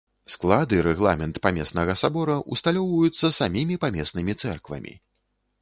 Склад і рэгламент памеснага сабора ўсталёўваюцца самімі памеснымі цэрквамі.